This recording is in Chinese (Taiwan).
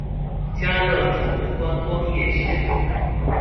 嘉樂福觀光夜市